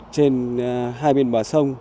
trên hai biển bờ sông